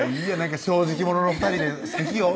正直者の２人ですてきよ